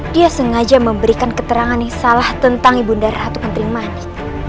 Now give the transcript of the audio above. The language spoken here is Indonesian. dia sengaja memberikan keterangan yang salah tentang ibu darah ratu ketrimani